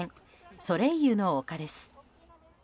ソレイユの丘です。